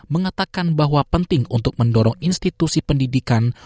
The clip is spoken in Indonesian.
mengatakan bahwa penting untuk mendorong institusi pendidikan